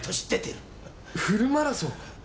フルマラソン！？